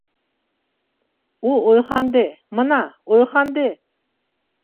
ئۇ ئويغاندى، مانا، ئويغاندى!